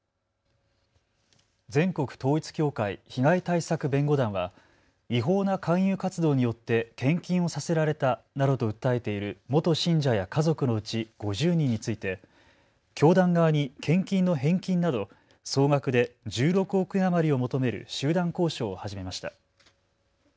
全国統一教会被害対策弁護団は違法な勧誘活動によって献金をさせられたなどと訴えている元信者や家族のうち５０人について教団側に献金の返金など総額で１６億円余りを求める集団交渉を始めました。